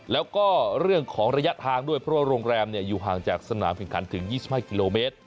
แล้วก็เรื่องของระยะทางด้วยเพราะว่าโรงแรมอยู่ห่างจากสนามแข่งขันถึง๒๕กิโลเมตร